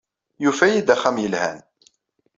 Yufa-iyi-d axxam yelhan.